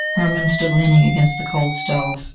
Hermann stood leaning against the cold stove.